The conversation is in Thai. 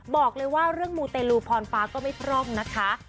บอกเลยว่าเรื่องมูเตลูพรฟ้าก็ไม่พร่องนะคะ